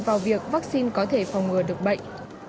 vào việc vaccine có thể phòng ngừa được bệnh